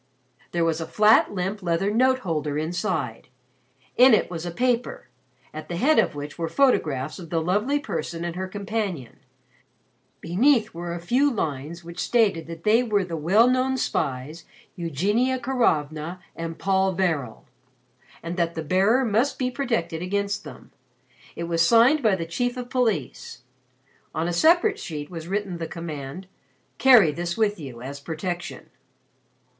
There was a flat limp leather note holder inside. In it was a paper, at the head of which were photographs of the Lovely Person and her companion. Beneath were a few lines which stated that they were the well known spies, Eugenia Karovna and Paul Varel, and that the bearer must be protected against them. It was signed by the Chief of the Police. On a separate sheet was written the command: "Carry this with you as protection."